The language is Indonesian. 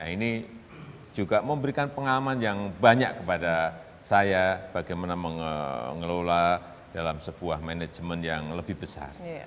ini juga memberikan pengalaman yang banyak kepada saya bagaimana mengelola dalam sebuah manajemen yang lebih besar